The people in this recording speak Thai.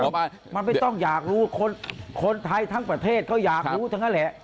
มันไม่ต้องอยากรู้คนไทยทั้งประเทศเขาอยากรู้ทั้งนั้นแหละ